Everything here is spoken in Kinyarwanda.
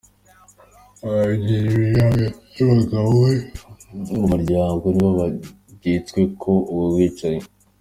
Abavyeyi biwe hamwe n'umugabo umwe wo mu muryango nibo begetsweko ubwo bwicanyi.